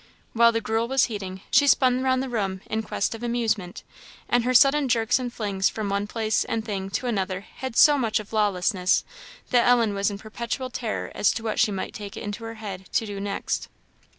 While the gruel was heating, she spun round the room in quest of amusement; and her sudden jerks and flings from one place and thing to another had so much of lawlessness, that Ellen was in perpetual terror as to what she might take it into her head to do next.